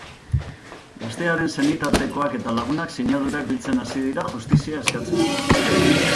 Gaztearen senitartekoak eta lagunak sinadurak biltzen hasi dira justizia eskatzeko.